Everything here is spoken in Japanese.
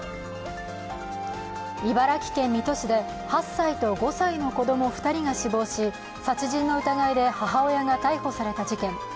茨城県水戸市で８歳と５歳の子供２人が死亡し、殺人の疑いで母親が逮捕された事件。